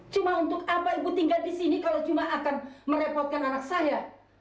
cuma untuk apa ibu tinggal di sini kalau cuma akan merepotkan anak saya